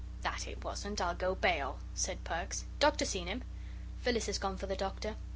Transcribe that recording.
"That it wasn't, I'll go bail," said Perks. "Doctor seen him?" "Phyllis has gone for the Doctor."